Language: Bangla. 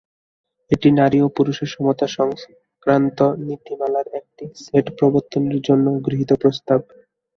এটি নারী ও পুরুষের সমতা সংক্রান্ত নীতিমালার একটি সেট প্রবর্তনের জন্য গৃহীত প্রস্তাব।